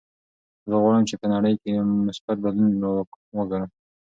زه غواړم چې په نړۍ کې یو مثبت بدلون وګورم.